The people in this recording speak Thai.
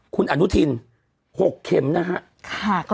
คุณอนุทิน๖เข็มนะครับ